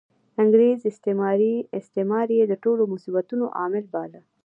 انګریزي استعمار یې د ټولو مصیبتونو عامل باله.